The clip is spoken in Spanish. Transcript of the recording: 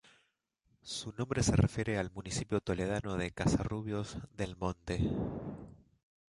Su nombre se refiere al municipio toledano de Casarrubios del Monte.